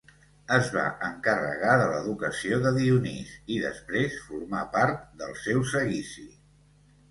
Es va encarregar de l'educació de Dionís, i després formà part del seu seguici.